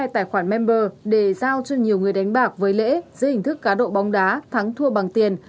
hai tài khoản member để giao cho nhiều người đánh bạc với lễ dưới hình thức cá độ bóng đá thắng thua bằng tiền